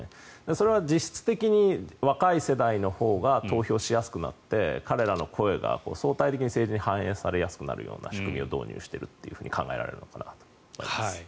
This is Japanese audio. それは実質的に若い世代のほうが投票しやすくなって、彼らの声が相対的に政治に反映されやすくなるような仕組みを導入しているのかなと考えられると思います。